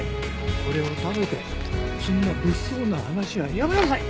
これを食べてそんな物騒な話はやめなさい。